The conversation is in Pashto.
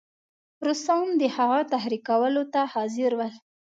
روسان د هغه تحریکولو ته حاضر ول.